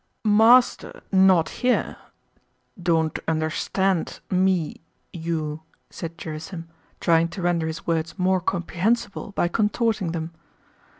"Master, not here—don't understand... me, you..." said Gerásim, trying to render his words more comprehensible by contorting them.